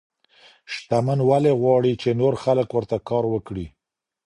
شتمن ولي غواړي چي نور خلګ ورته کار وکړي؟